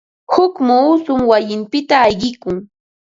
Huk muusum wayinpita ayqikun.